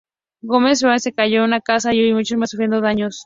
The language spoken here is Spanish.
Gómez Farías: se cayó una casa y ocho más sufrieron daños.